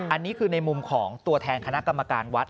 อันนี้คือในมุมของตัวแทนคณะกรรมการวัด